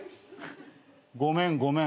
ごめんごめん。